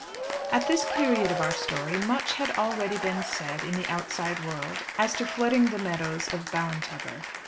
At this period of our story much had already been said in the outside world as to flooding the meadows of Ballintubber.